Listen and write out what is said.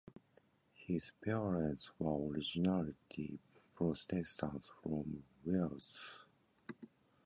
His parents were originally Protestants from Wales.